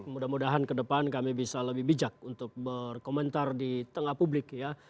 mudah mudahan ke depan kami bisa lebih bijak untuk berkomentar di tengah publik ya